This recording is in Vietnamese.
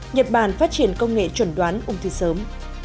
nhật bản phát triển công nghệ chuẩn đoán ung thư sớm